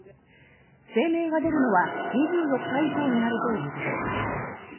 声明が出るのは２４日以降になるということです。